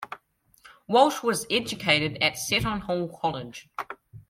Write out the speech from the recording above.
Walsh was educated at Seton Hall College.